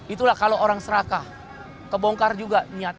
itulah kalau orang serakah kebongkar juga niat